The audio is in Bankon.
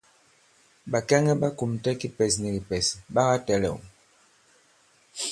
Bàkɛŋɛ ɓa kùmtɛ kipɛs ni kìpɛ̀s ɓa katɛ̄lɛ̂w.